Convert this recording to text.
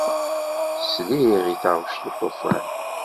Sliɣ i taɣect uṭufan.